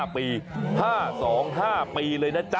๕๒๕ปีเลยนะจ๊ะ